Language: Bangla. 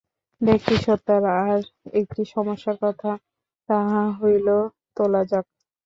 ব্যক্তি-সত্তার আর একটি সমস্যার কথা তাহা হইলে তোলা যাক।